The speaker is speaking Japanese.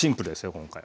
今回はね。